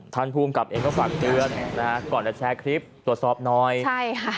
ภูมิกับเองก็ฝากเตือนนะฮะก่อนจะแชร์คลิปตรวจสอบหน่อยใช่ค่ะ